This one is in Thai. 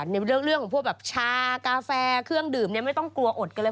ในเรื่องของพวกแบบชากาแฟเครื่องดื่มไม่ต้องกลัวอดกันเลย